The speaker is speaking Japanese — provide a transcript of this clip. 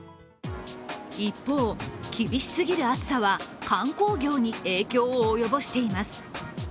一方、厳しすぎる暑さは観光業に影響を及ぼしています。